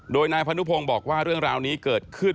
โดยนายพนุพงศ์บอกว่าเรื่องราวนี้เกิดขึ้น